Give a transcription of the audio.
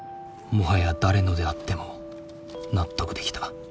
もはや誰のであっても納得できた。